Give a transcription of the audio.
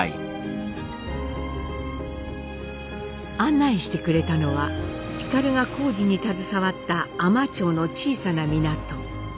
案内してくれたのは皓が工事に携わった海士町の小さな港。